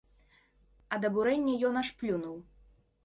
Ад абурэння ён аж плюнуў.